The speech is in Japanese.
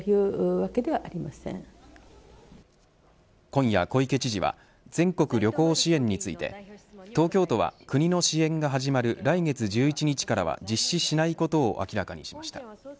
今夜、小池知事は全国旅行支援について東京都は、国の支援が始まる来月１１日からは実施しないことを明らかにしました。